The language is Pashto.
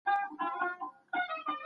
موږ په خپلو خبرو کي صادق وو.